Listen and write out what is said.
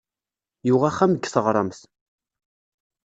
Yuɣ axxam deg taɣremt.